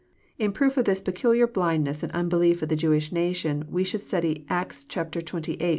In proof of this peculiar blindness and unbelief of. the Jewish nation we should study Acts xxviii.